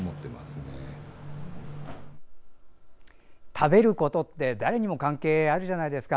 食べることって誰にも関係あるじゃないですか。